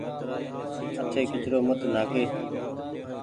آٺي ڪچرو مت نآهآڪ۔